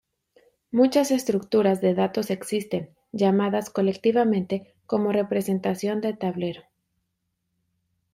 Muchas estructuras de datos existen, llamadas colectivamente como representación del tablero.